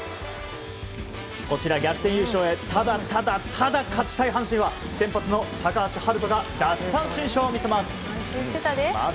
こちら、逆転優勝へただただただ勝ちたい阪神は先発の高橋遥人が奪三振ショーを見せます。